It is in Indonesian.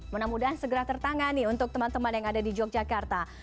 mudah mudahan segera tertangani untuk teman teman yang ada di yogyakarta